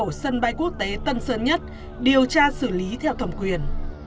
đưa khẩu sân bay quốc tế tân sơn nhất điều tra xử lý theo thẩm quyền